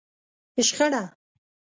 شخړه